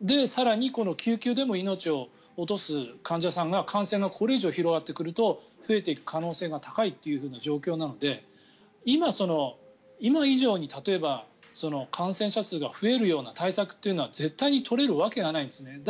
更に、この救急でも命を落とす患者さんが感染がこれ以上広がってくると増えていく可能性が高いという状況なので今以上に例えば感染者数が増えるような対策というのは絶対に取れるわけがないんですね。